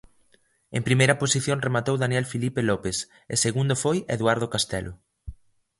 En primeira posición rematou Daniel Filipe Lopes e segundo foi Eduardo Castelo.